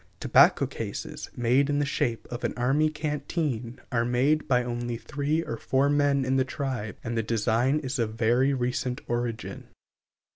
Tobacco cases, made in the shape of an army canteen, such as that represented in Fig. 6, are made by only three or four men in the tribe, and the design is of very recent origin.